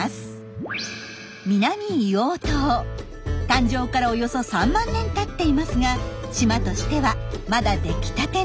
誕生からおよそ３万年たっていますが島としてはまだ出来たてなんです。